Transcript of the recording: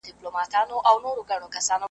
د همدې په زور عالم راته غلام دی .